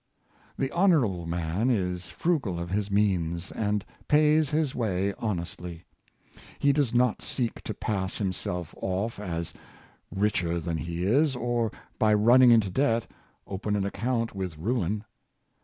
The honorable man is frugal of his means, and pays his way honestly. He does not seek to pass himself off as richer than he is, or, by running into debt, open '''•Putting Down in a Book^ 489 an account with ruin.